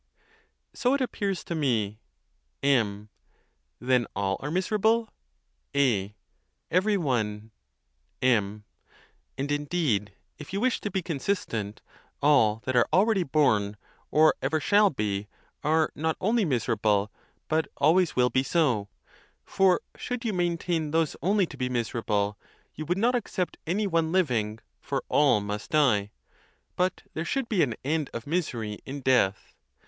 So it appears to me. M. Then all are miserable ? A. Every one. M. And, indeed, if you wish to be consistent, all that are already born, or ever shall be, are not only miserable, but always will be so; for should you maintain those only to be miserable, you would not except any one living, for all must die; but there should be an end of misery in death.